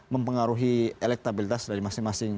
mempengaruhi elektabilitas dari masing masing